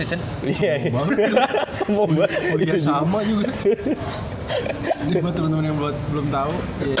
ini buat temen temen yang belum tau